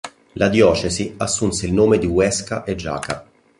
La diocesi assunse il nome di Huesca e Jaca.